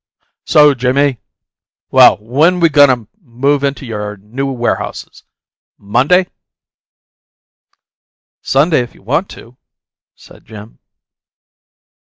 So, Jimmie? Well, when we goin' to move into your new warehouses? Monday?" "Sunday, if you want to," said Jim.